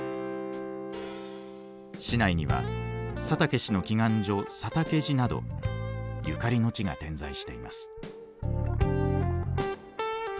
市内には佐竹氏の祈願所佐竹寺などゆかりの地が点在しています。